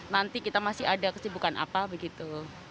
nanti kita masih ada kesibukan apa begitu